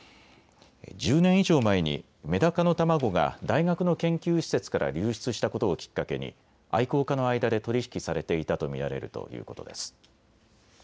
１０年以上前にメダカの卵が大学の研究施設から流出したことをきっかけに愛好家の間で取り引きされていたと見られるということです。